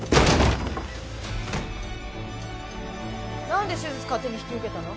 なんで手術勝手に引き受けたの？